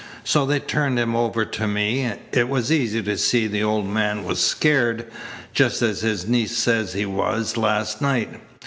So they turned him over to me. It was easy to see the old man was scared, just as his niece says he was last night.